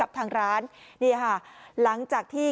กลุ่มตัวเชียงใหม่